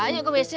yuk gue besi